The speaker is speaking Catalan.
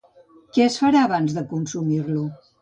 Què es farà abans de consumir-lo?